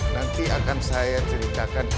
nanti akan saya ceritakan